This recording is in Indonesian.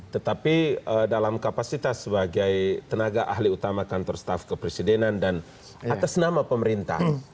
tetapi dalam kapasitas sebagai tenaga ahli utama kantor staff kepresidenan dan atas nama pemerintah